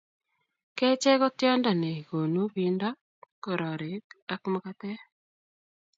Kechee ko tiondo ne nekonuu bindo, kororik ak makatee.